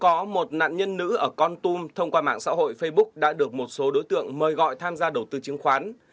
trước đó một nạn nhân nữ ở con tum thông qua mạng xã hội facebook đã được một số đối tượng mời gọi tham gia đầu tư chứng khoán